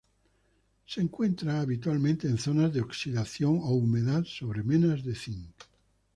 Se encuentra habitualmente en zonas de oxidación o humedad sobre menas de zinc.